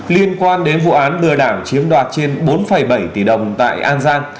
liên quan đến vụ án lừa đảo chiếm đoạt trên bốn bảy tỷ đồng tại an giang